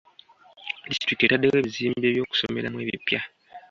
Disitulikiti etaddewo ebizimbe by'okusomeramu ebipya.